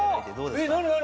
何何？